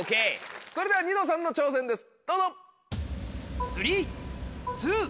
それではニノさんの挑戦ですどうぞ！